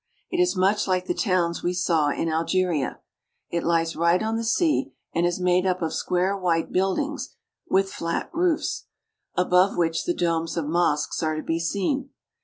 It is much like the towns we saw in Algeria. It lies right on the sea and is made up of square white build ings with flat roofs, above which the domes of mosques are to be seen.